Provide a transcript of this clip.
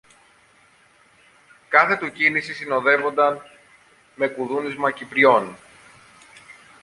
Κάθε του κίνηση συνοδεύονταν με κουδούνισμα κυπριών.